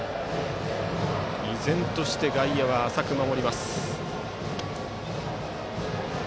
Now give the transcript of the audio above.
依然として外野は浅く守ります。